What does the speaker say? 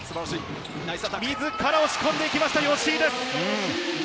自ら押し込んできました、吉井です。